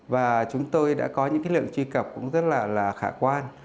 và chúng tôi đã có những lượng truy cập cũng rất là khả quan